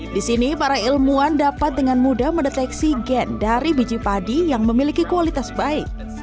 di sini para ilmuwan dapat dengan mudah mendeteksi gen dari biji padi yang memiliki kualitas baik